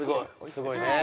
すごいね。